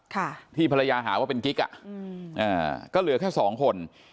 ค่ะที่ภรรยาหาว่าเป็นกิ๊กอ่ะอืมอ่าก็เหลือแค่สองคน